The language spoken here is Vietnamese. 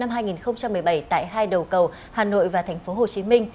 cầu truyền hình chung tay vì người nghèo năm hai nghìn một mươi bảy tại hai đầu cầu hà nội và tp hcm